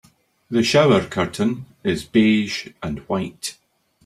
The shower curtain is beige and white.